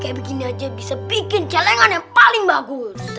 kayak begini aja bisa bikin celengan yang paling bagus